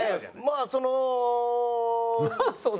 「まあその」？